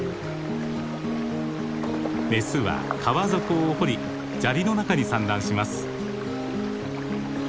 メスは川底を掘り砂利の中に産卵します。